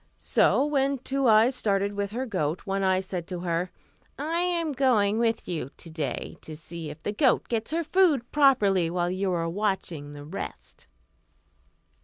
So when Two Eyes started with her goat, One Eye said to her, "I am going with you to day to see if the goat gets her food properly while you are watching the rest."